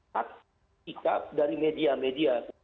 hak sikap dari media media